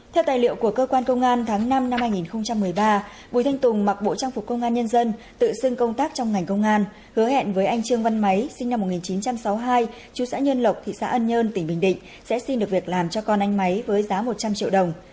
theo tài liệu của cơ quan công an tháng năm năm hai nghìn một mươi ba bùi thanh tùng mặc bộ trang phục công an nhân dân tự xưng công tác trong ngành công an hứa hẹn với anh trương văn máy sinh năm một nghìn chín trăm sáu mươi hai chú xã nhân lộc thị xã ân nhơn tỉnh bình định sẽ xin được việc làm cho con anh máy với giá một trăm linh triệu đồng